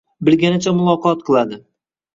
Bilganicha muloqot qiladi.